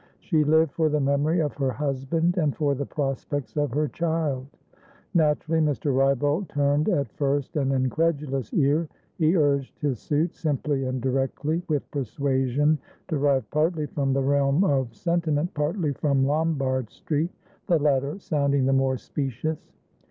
She lived for the memory of her husband and for the prospects of her child. Naturally, Mr. Wrybolt turned at first an incredulous ear; he urged his suit, simply and directly, with persuasion derived partly from the realm of sentiment, partly from Lombard Streetthe latter sounding the more specious.